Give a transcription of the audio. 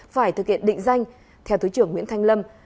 phải thực hiện định danh theo thứ trưởng nguyễn thanh lâm